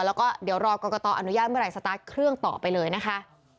แล้วก็เดี๋ยวรอกรกตอนุญาตเมื่อไหสตาร์ทเครื่องต่อไปเลยนะคะ